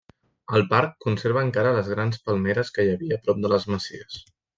El parc conserva encara les grans palmeres que hi havia prop de les masies.